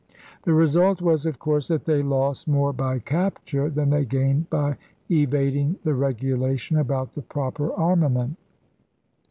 The result was, of course, that they lost more by capture than they gained by evad ing the regulation about the proper armament.